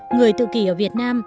người tự kỷ ở việt nam